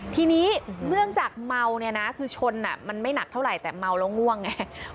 ทีนี้เนื่องจากเมาเนี่ยนะคือชนมันไม่หนักเท่าไหร่แต่เมาแล้วง่วงไง